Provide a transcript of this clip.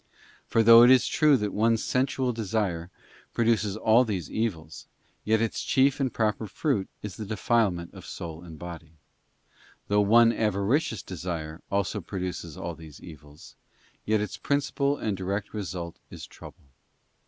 For though it is true that one sensual desire produces all these evils, yet its chief and proper fruit is the (2) Avarice. defilement of soul and body. Though one avaricious desire . also produces all these evils, yet its principal and direct @) Vain result is trouble.